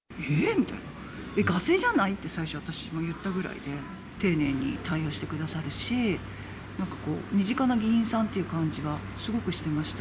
みたいな、ガセじゃない？って最初、私も言ったぐらいで、丁寧に対応してくださるし、なんかこう、身近な議員さんっていう感じがすごくしてました。